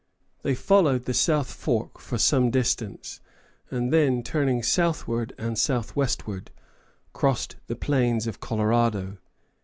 They followed the South Fork for some distance, and then, turning southward and southwestward, crossed the plains of Colorado.